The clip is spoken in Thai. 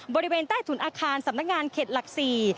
บริเวณใต้ถุนอาคารสำนักงานเขตหลัก๔